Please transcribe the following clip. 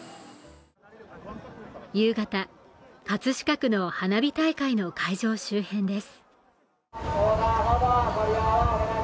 夕方、葛飾区の花火大会の会場周辺です。